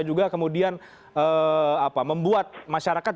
juga kemudian membuat masyarakat